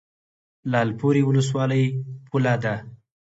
لعل پورې ولسوالۍ پوله ده؟